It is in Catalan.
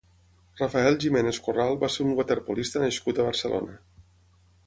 Rafael Jiménez Corral va ser un waterpolista nascut a Barcelona.